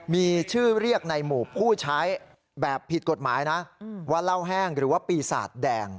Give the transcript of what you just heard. มีชื่อเรียกในหมู่ผู้ใช้แบบผิดกฎหมายนะว่าเหล้าแห้งหรือว่าปีศาจแดง